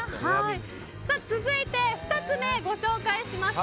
続いて２つ目、ご紹介します。